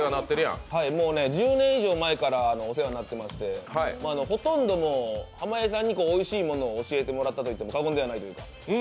１０年以上前からお世話になっていて、ほとんど濱家さんにおいしいものを教えていただいたと言っても過言ではないというか。